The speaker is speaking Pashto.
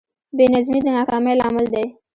بېنظمي د ناکامۍ لامل دی.